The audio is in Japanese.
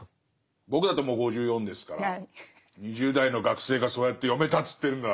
僕だってもう５４ですから２０代の学生がそうやって読めたっつってるんなら。